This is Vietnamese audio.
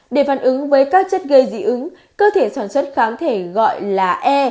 để phản ứng với các chất gây dị ứng cơ thể sản xuất kháng thể gọi là e